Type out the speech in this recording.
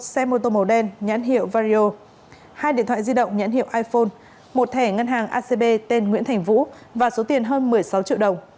một xe mô tô màu đen nhãn hiệu vario hai điện thoại di động nhãn hiệu iphone một thẻ ngân hàng acb tên nguyễn thành vũ và số tiền hơn một mươi sáu triệu đồng